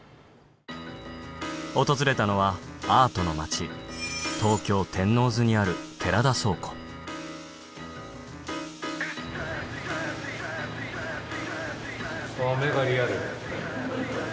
訪れたのはアートの町東京・天王洲にある寺田倉庫わぁ目がリアル。